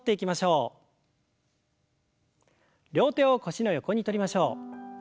両手を腰の横にとりましょう。